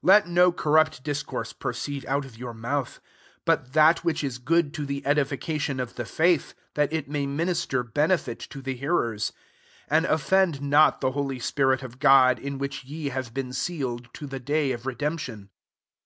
29 Let no cor upt discourse proceed out of our mouth J but that which is ;ood to the edification of the aith, that it may minister be lefit to the hearers : 30 and ififend not the holy spirit of jod, in which ye have been sealed to the day of redentp tion.